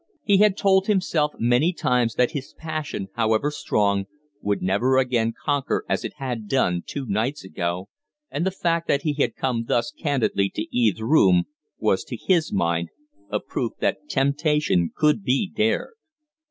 He had told himself many times that his passion, however strong, would never again conquer as it had done two nights ago and the fact that he had come thus candidly to Eve's room was to his mind a proof that temptation could be dared.